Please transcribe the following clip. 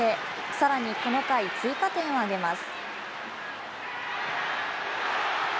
さらにこの回、追加点を挙げます。